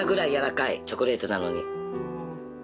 チョコレートなのに。